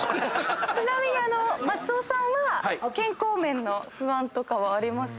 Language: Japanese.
ちなみに松尾さんは健康面の不安とかはあります？